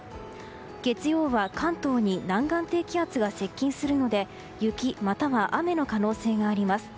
月曜は関東に南岸低気圧が接近するので雪、または雨の可能性があります。